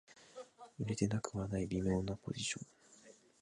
売れてなくはない微妙なポジション